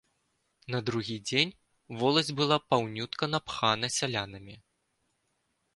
На другі дзень воласць была паўнютка напхана сялянамі.